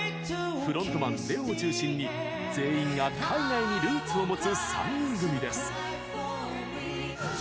フロントマン、ＬＥＯを中心に全員が海外にルーツを持つ３人組です。